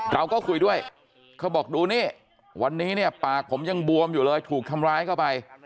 เราก็คุยด้วยเขาบอกดูนี่วันนี้เนี่ยปากผมยังบวมอยู่เลยถูกทำร้ายเข้าไป